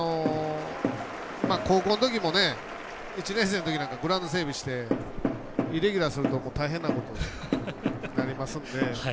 高校のときも１年生のときなんかグラウンド整備してイレギュラーするともう大変なことになりますので。